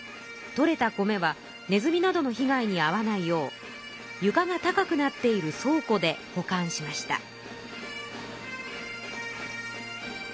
取れた米はねずみなどのひ害にあわないよう床が高くなっている倉庫で保管しました。